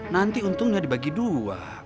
nanti untungnya dibagi dua